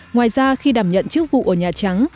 ngoài ra khi đảm nhận chức vụ ở nhà trắng